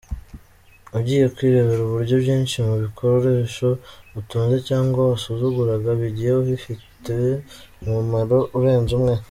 Ugiye kwirebera uburyo byinshi mu bikoresho utunze cyangwa wasuzuguraga bigiye bifite umumaro urenze umwe.